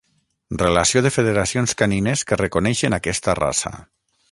Relació de federacions canines que reconeixen aquesta raça.